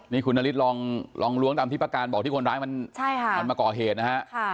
นี่คุณนฤทธิลองล้วงตามที่ประการบอกที่คนร้ายมันมาก่อเหตุนะฮะ